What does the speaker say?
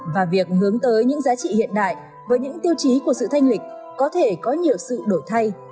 và việc hướng tới những giá trị hiện đại với những tiêu chí của sự thanh lịch có thể có nhiều sự đổi thay